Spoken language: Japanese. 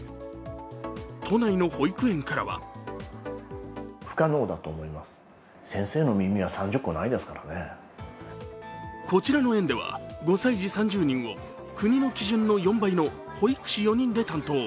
都内の保育園からはこちらの園では５歳児３０人を国の基準の４倍の保育士４人で担当。